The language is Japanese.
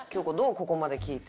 ここまで聞いて。